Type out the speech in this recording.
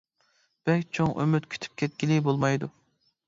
بەك چوڭ ئۈمىد كۈتۈپ كەتكىلى بولمايدۇ.